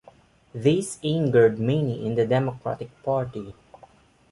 This angered many in the Democratic Party.